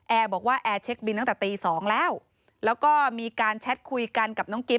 บอกว่าแอร์เช็คบินตั้งแต่ตีสองแล้วแล้วก็มีการแชทคุยกันกับน้องกิ๊